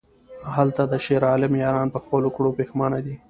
هلته د شیرعالم یاران په خپلو کړو پښیمانه دي...